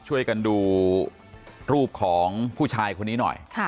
ช่วยกันดูรูปของผู้ชายคนนี้หน่อย